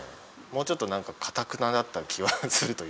もうちょっと何かかたくなだった気はするというか。